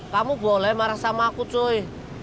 kamu boleh marah sama aku coy